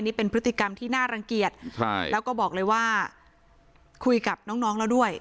นี่เป็นพฤติกรรมที่น่ารังเกียจใช่แล้วก็บอกเลยว่าคุยกับน้องน้องแล้วด้วย